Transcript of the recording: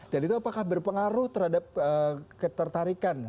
dan itu apakah berpengaruh terhadap ketertarikan